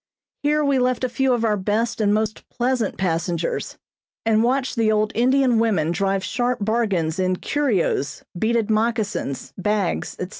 Here we left a few of our best and most pleasant passengers, and watched the old Indian women drive sharp bargains in curios, beaded moccasins, bags, etc.